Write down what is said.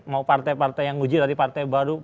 mau partai partai yang nguji dari partai baru